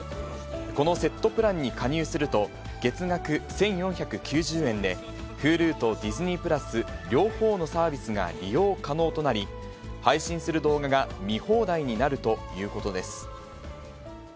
このセットプランに加入すると、月額１４９０円で、ＨｕｌｕとＤｉｓｎｅｙ＋両方のサービスが利用可能となり、配信する動画が見放題になるということです。